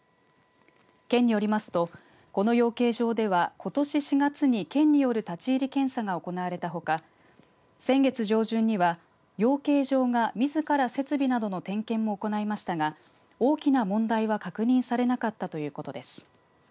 県によりますと、この養鶏場ではことし４月に県による立ち入り検査が行われたほか先月上旬には養鶏場が、みずから設備などの点検を行いましたが大きな問題は確認されなかったということです。